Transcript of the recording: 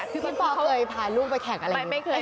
คือพ่อเคยผ่านลูกไปแขกอะไรอย่างนี้